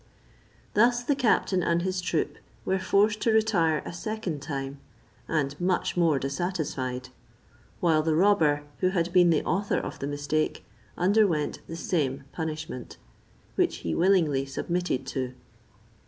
Thus the captain and his troop were forced to retire a second time, and much more dissatisfied; while the robber, who had been the author of the mistake, underwent the same punishment; which he willingly submitted to.